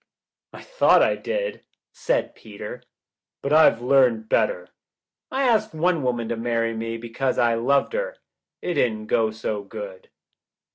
"I thought I did," said Peter, "but I've learned better. I asked one woman to marry me because I loved her. It didn't go so good."